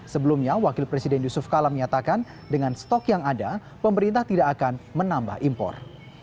sebelumnya wakil presiden yusuf kala menyatakan dengan stok yang ada pemerintah tidak akan menambah impor